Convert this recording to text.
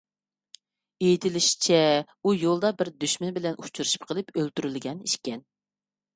ئېيتىلىشىچە، ئۇ يولدا بىر دۈشمىنى بىلەن ئۇچرىشىپ قېلىپ ئۆلتۈرۈلگەن ئىكەن.